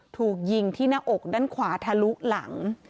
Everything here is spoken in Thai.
ถูกยิงที่หน้าอกด้านขวาทะลุหลัง